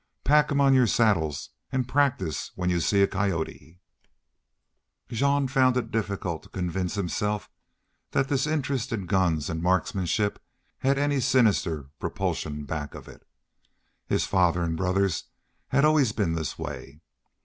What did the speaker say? Pack 'em on your saddles an' practice when you see a coyote." Jean found it difficult to convince himself that this interest in guns and marksmanship had any sinister propulsion back of it. His father and brothers had always been this way.